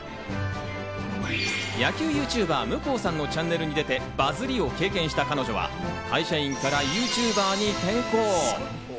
野球ＹｏｕＴｕｂｅｒ向さんのチャンネルに出て、バズりを経験した彼女は会社員からＹｏｕＴｕｂｅｒに転向。